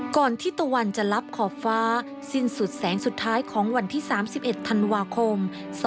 ที่ตะวันจะรับขอบฟ้าสิ้นสุดแสงสุดท้ายของวันที่๓๑ธันวาคม๒๕๖